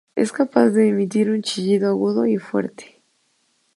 Es capaz de emitir un chillido agudo y fuerte.